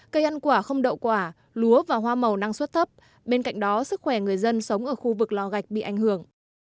cây ăn quả không đậu quả lúa và hoa màu năng suất thấp bên cạnh đó sức khỏe người dân sống ở khu vực lò gạch bị ảnh hưởng